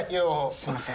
すいません。